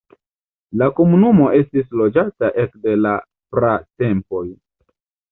La komunumo estis loĝata ekde la pratempoj.